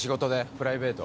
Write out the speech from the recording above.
プライベート？